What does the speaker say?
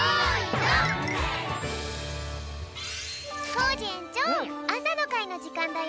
コージえんちょうあさのかいのじかんだよ。